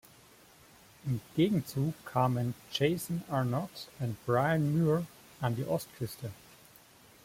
Im Gegenzug kamen Jason Arnott und Bryan Muir an die Ostküste.